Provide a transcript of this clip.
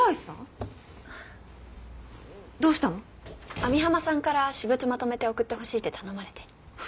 網浜さんから私物まとめて送ってほしいって頼まれて。